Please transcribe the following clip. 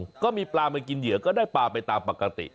แหละพวกเราที่กินเหยือก็ได้ปลาไปตามปกติ